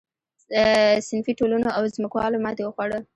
صنفي ټولنو او ځمکوالو ماتې وخوړه.